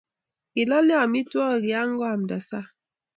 Kilalyo amitwogik ya koamnda sang'